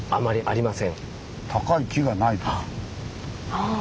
ああ。